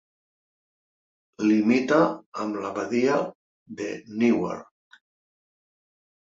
Limita amb la Badia de Newark.